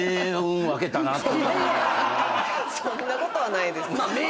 そんなことはないです。